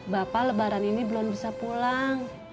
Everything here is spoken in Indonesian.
bapak lebaran ini belum bisa pulang